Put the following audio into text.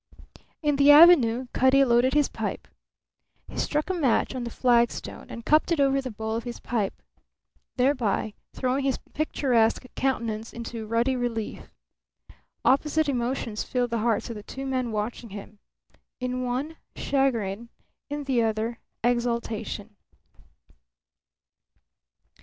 In the Avenue Cutty loaded his pipe. He struck a match on the flagstone and cupped it over the bowl of his pipe, thereby throwing his picturesque countenance into ruddy relief. Opposite emotions filled the hearts of the two men watching him in one, chagrin; in the other, exultation.